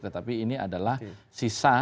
tetapi ini adalah hal yang harus diperhatikan